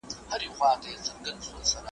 مور د ماشوم د خوراک ډول ټاکي.